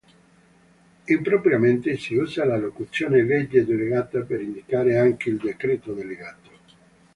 Impropriamente, si usa la locuzione legge delegata per indicare anche il decreto delegato.